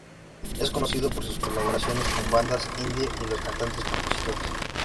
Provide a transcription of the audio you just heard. Es conocido por sus colaboraciones con bandas indie y los cantantes-compositores.